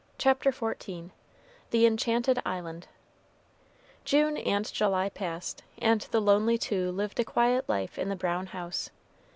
CHAPTER XIV THE ENCHANTED ISLAND June and July passed, and the lonely two lived a quiet life in the brown house.